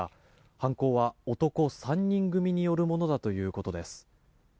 犯行は男３人組によるものだということです。